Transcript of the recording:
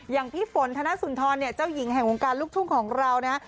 อย่างพี่ฝนธนสุนทรเนี่ยเจ้าหญิงแห่งวงการลูกทุ่งของเรานะฮะ